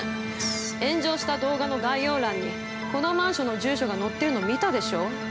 炎上した動画の概要欄にこのマンションの住所が載ってるの見たでしょう。